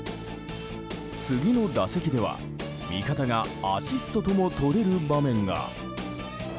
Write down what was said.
次の打席では味方がアシストともとれる場面が。